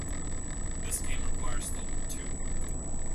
This game requires thought, too.